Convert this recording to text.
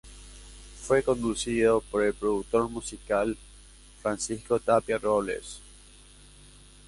Fue conducido por el productor musical Francisco Tapia Robles.